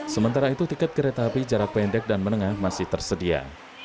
sementara itu tiket kereta api jarak pendek dan menengah masih tersedia